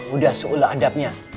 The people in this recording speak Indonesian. udah seolah adabnya